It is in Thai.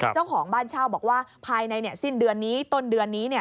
เจ้าของบ้านเช่าบอกว่าภายในสิ้นเดือนนี้ต้นเดือนนี้